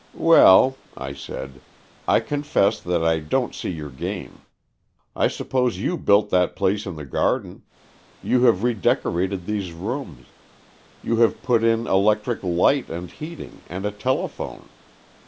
"Well," I said, " I confess that I don't see your game. I suppose you built that place in the garden. You have redecorated these rooms. You have put in electric light and heating, and a telephone.